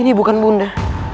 ini bukan bunda